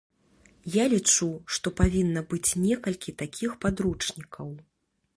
Я лічу, што павінна быць некалькі такіх падручнікаў.